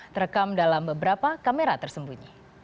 terekam dalam beberapa kamera tersembunyi